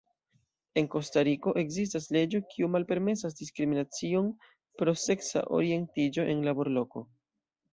En Kostariko ekzistas leĝo kiu malpermesas diskriminacion pro seksa orientiĝo en laborloko.